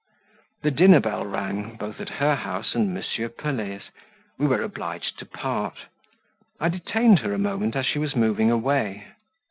The dinner bell rang, both at her house and M. Pelet's; we were obliged to part; I detained her a moment as she was moving away.